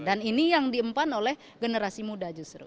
ini yang diempan oleh generasi muda justru